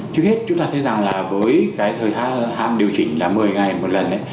trước hết chúng ta thấy rằng với thời hạn điều chỉnh là một mươi ngày một lần